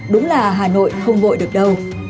đúng là hà nội không vội được đâu